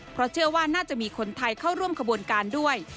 เพราะเชื่อว่าน่าจะมีคนไทยเข้าร่วมขบวนการด้วย